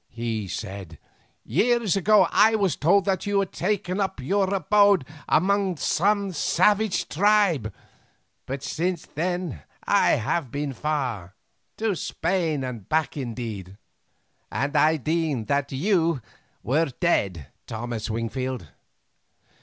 he said, "years ago I was told that you had taken up your abode among some savage tribe, but since then I have been far, to Spain and back indeed, and I deemed that you were dead, Thomas Wingfield.